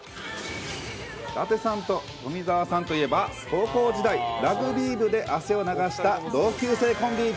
伊達さんと富澤さんといえば、高校時代、ラグビー部で汗を流した同級生コンビ。